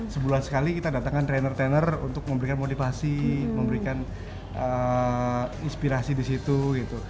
sebulan sekali kita datangkan trainer trainer untuk memberikan motivasi memberikan inspirasi di situ gitu